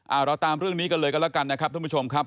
เอาเราตามเรื่องนี้กันเลยกันแล้วกันนะครับทุกผู้ชมครับ